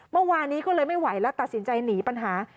เมื่อวานนี้ก็เลยไม่ไหวแล้วตัดสินใจหนีปัญหา